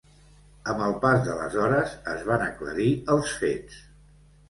Amb el pas de les hores es van aclarir els fets.